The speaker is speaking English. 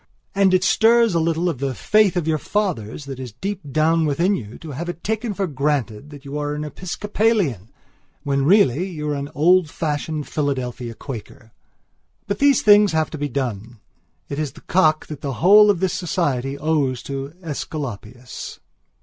And it stirs a little of the faith of your fathers that is deep down within you to have to have it taken for granted that you are an Episcopalian when really you are an old fashioned Philadelphia Quaker. But these things have to be done; it is the cock that the whole of this society owes to Æsculapius.